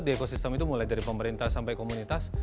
di ekosistem itu mulai dari pemerintah sampai komunitas